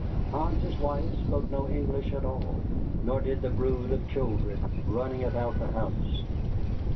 Hans's wife spoke no English at all, nor did the brood of children running about the house.